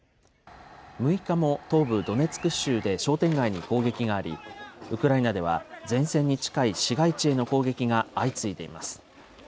６日も東部ドネツク州で商店街に攻撃があり、ウクライナでは、前線に近い市街地への攻撃が相次いでいます。